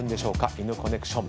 イヌコネクション。